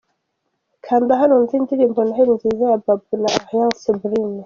Kanda hano wumve indirimbo Neheli Nziza ya Babou na Alliance Brune .